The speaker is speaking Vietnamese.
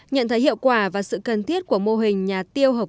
nhận thấy hiệu quả và sự cần thiết của mô hình nhà tiêu hợp